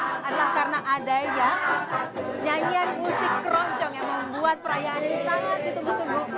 karena adanya nyanyian musik keroncong yang membuat perayaan ini sangat ditunggu tunggu